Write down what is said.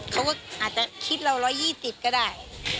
เขาก็อาจจะคิดเรา๑๒๐ก็ได้